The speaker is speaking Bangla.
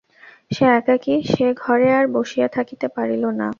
সে একাকী সে-ঘরে আর বসিয়া থাকিতে পারিল না।